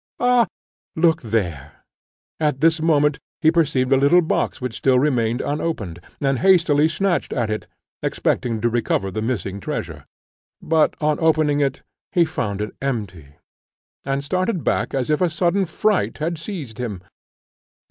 Ah, look there!" At this moment he perceived a little box which still remained unopened, and hastily snatched at it, expecting to recover the missing treasure. But on opening it he found it empty, and started back as if a sudden fright had seized him.